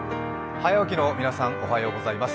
早起きの皆さん、おはようございます。